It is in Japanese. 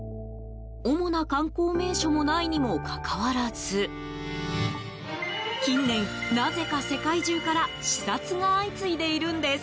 主な観光名所もないにもかかわらず近年、なぜか世界中から視察が相次いでいるんです。